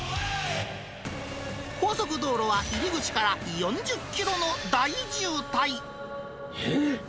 高速道路は入り口から４０キロのええ！